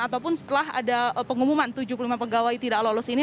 ataupun setelah ada pengumuman tujuh puluh lima pegawai tidak lolos ini